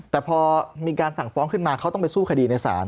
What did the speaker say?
แต่พอมีการสั่งฟ้องขึ้นมาเขาต้องไปสู้คดีในศาล